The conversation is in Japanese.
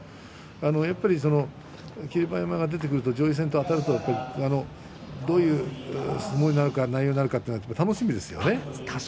やっぱり霧馬山が出てきますと上位戦とあたるとどういう相撲内容になるか楽しみですよね。